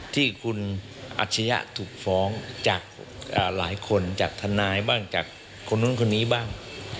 ที่คุณอัจฉริยะถูกฟ้องจากหลายคนจากทนายบ้างจากคนนู้นคนนี้บ้าง